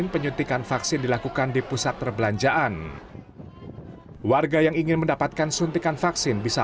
penyuntikan vaksin dilakukan di pusat perbelanjaan warga yang ingin mendapatkan suntikan vaksin bisa